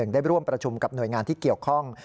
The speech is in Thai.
ได้ร่วมประชุมกับหน่วยงานที่เกี่ยวข้อง